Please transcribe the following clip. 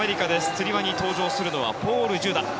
つり輪に登場するのはポール・ジュダ。